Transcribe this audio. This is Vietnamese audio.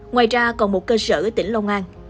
ngoài ra còn một cơ sở ở tỉnh long an